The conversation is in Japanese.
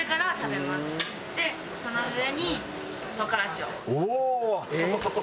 その上に。